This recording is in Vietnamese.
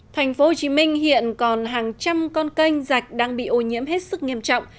thành phố hồ chí minh hiện còn hàng trăm con canh rạch đang bị ô nhiễm hết sức nghiêm trọng